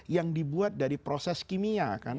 yang dibuat dari proses kimia kan